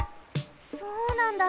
そうなんだ。